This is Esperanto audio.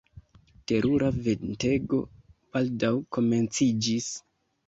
Terura ventego baldaŭ komenciĝis.